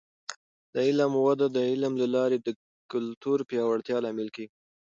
د علم وده د علم له لارې د کلتور پیاوړتیا لامل کیږي.